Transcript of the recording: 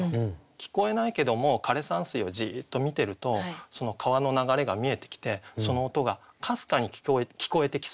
聞こえないけども枯山水をじっと見てるとその川の流れが見えてきてその音がかすかに聞こえてきそうだなと。